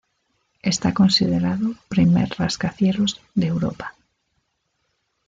Está considerado primer rascacielos de Europa.